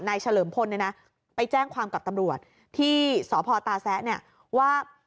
เฉลิมพลเนี่ยนะไปแจ้งความกับตำรวจที่สพตาแซะเนี่ยว่า